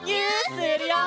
するよ！